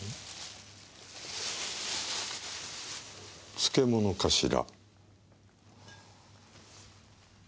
漬物かしら。